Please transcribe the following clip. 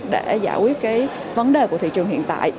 để giải quyết cái vấn đề của thị trường hiện tại